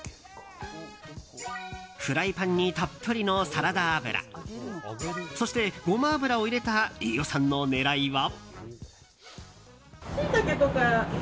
フライパンにたっぷりのサラダ油そして、ゴマ油を入れた飯尾さんの狙いは？